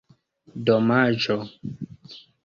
domaĝo